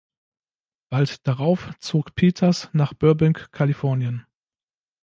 Bald darauf zog Peters nach Burbank, Kalifornien.